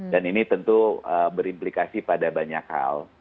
dan ini tentu berimplikasi pada banyak hal